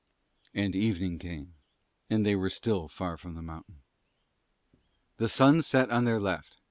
And evening came, and still they were far from the mountain. The sun set on their left.